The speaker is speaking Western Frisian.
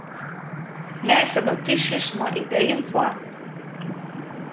Lês de notysjes mei ideeën foar.